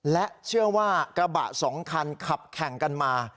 และเชื่อว่ากระบะสองคันขับแข่งกันมา